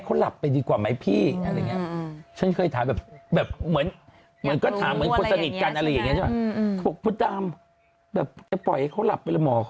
กับข้าว